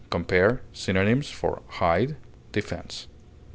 Compare synonyms for HIDE; DEFENSE.